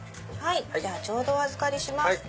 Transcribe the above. ちょうどお預かりします。